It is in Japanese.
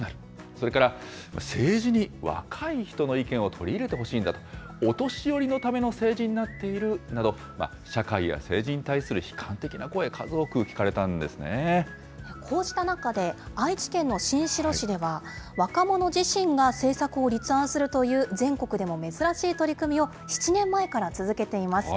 それから政治に若い人の意見を取り入れてほしいんだと、お年寄りのための政治になっているなど、社会や政治に対する悲観的な声、こうした中で、愛知県の新城市では、若者自身が政策を立案するという全国でも珍しい取り組みを７年前から続けています。